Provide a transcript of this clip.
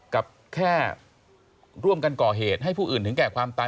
กับแค่ร่วมกันก่อเหตุให้ผู้อื่นถึงแก่ความตาย